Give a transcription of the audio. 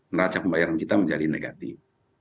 neraca pembayaran kita menjadi negatif